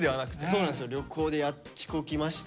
そうなんですよ。